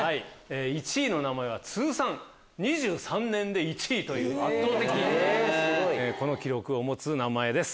１位の名前は通算２３年で１位という圧倒的記録を持つ名前です